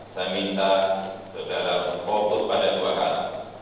saya minta saudara fokus pada dua hal